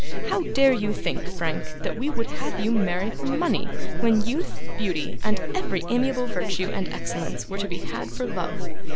How dare you think, Frank, that we would have you marry for money, when youth, beauty, and every amiable virtue and excellence were to be had for love?